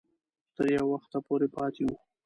تر یو وخته پورې پاته وو.